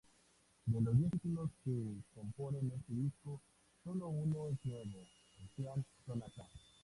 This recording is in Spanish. De los diez títulos que componen este disco, sólo uno es nuevo, "Ocean Sonata".